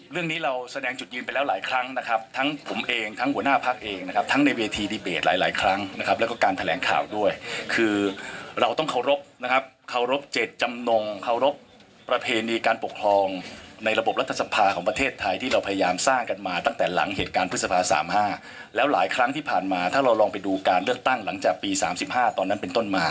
เรื่องนี้เราแสดงจุดยืนไปแล้วหลายครั้งนะครับทั้งผมเองทั้งหัวหน้าพักเองนะครับทั้งในเวทีดีเบตหลายหลายครั้งนะครับแล้วก็การแถลงข่าวด้วยคือเราต้องเคารพนะครับเคารพเจตจำนงเคารพประเพณีการปกครองในระบบรัฐสภาของประเทศไทยที่เราพยายามสร้างกันมาตั้งแต่หลังเหตุการณ์พฤษภา๓๕แล้วหลายครั้งที่ผ่านมาถ้าเราลองไปดูการเลือกตั้งหลังจากปี๓๕ตอนนั้นเป็นต้นมา